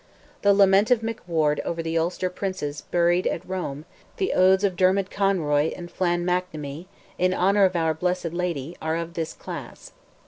The lament of Mac Ward over the Ulster princes buried at Rome, the odes of Dermod Conroy and Flan McNamee, in honour of our Blessed Lady, are of this class.